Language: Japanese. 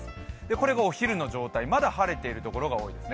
これがお昼の状態まだ晴れているところが多いです